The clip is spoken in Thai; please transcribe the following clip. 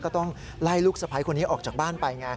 ก็ต้องไล่ลูกสะพ้ายคนนี้ออกจากบ้านไปไง